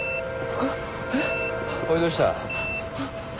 おいどうした？